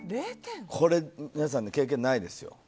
皆さん、経験ないですよ。